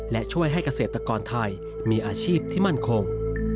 และช่วยให้เกษตรกรไทยมีอาชีพที่มั่นคง